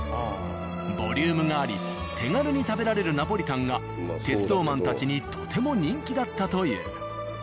ボリュームがあり手軽に食べられるナポリタンが鉄道マンたちにとても人気だったという。